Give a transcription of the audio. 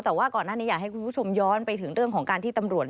แต่ว่าก่อนหน้านี้อยากให้คุณผู้ชมย้อนไปถึงเรื่องของการที่ตำรวจ